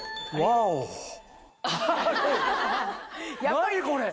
何これ！